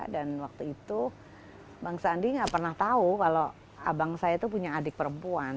dan waktu itu bang sandi gak pernah tahu kalau abang saya itu punya adik perempuan